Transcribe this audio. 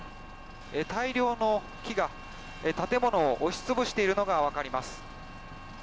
大量の木が建物を押しつぶしているのが分かります。